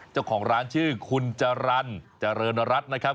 เจ้าของร้านชื่อคุณจรรย์เจริญรัฐนะครับ